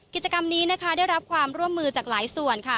กิจกรรมนี้นะคะได้รับความร่วมมือจากหลายส่วนค่ะ